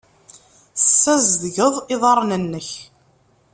Tassazedgeḍ iḍarren-nnek.